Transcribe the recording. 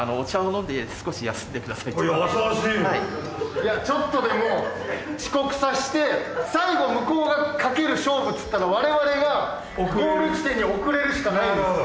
いやちょっとでも遅刻させて最後向こうがかける勝負っていったら我々がゴール地点に遅れるしかないんです。